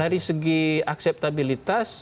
dari segi akseptabilitas